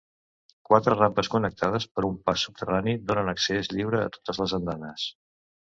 Quatre rampes connectades per un pas subterrani donen accés lliure a totes les andanes.